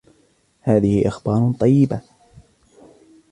هذه أخبار طيبة.